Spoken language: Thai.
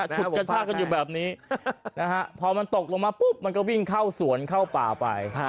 ฉุดกระชากันอยู่แบบนี้พอมันตกลงมาปุ๊บมันก็วิ่งเข้าสวนเข้าป่าไป